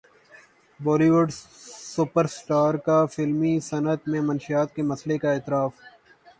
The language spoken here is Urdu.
بولی وڈ سپر اسٹار کا فلمی صنعت میں منشیات کے مسئلے کا اعتراف